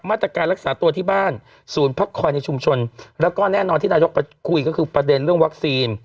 มาตรการรักษาตัวที่บ้านศูนย์พักคอยในชุมชนแล้วก็แน่นอนที่นายกคุยก็คือประเด็นเรื่องวัคซีน